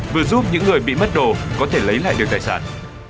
vừa giúp những người bị mất đồ có thể lấy lại được tài sản